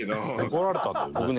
「怒られたんだよね」